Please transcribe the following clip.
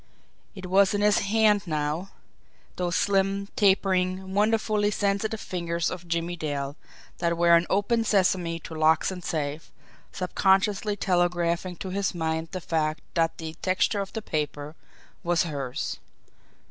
It was in his hand now, those slim, tapering, wonderfully sensitive fingers of Jimmie Dale, that were an "open sesame" to locks and safes, subconsciously telegraphing to his mind the fact that the texture of the paper was hers.